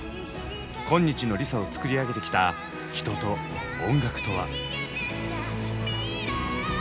今日のＬｉＳＡを作り上げてきた人と音楽とは？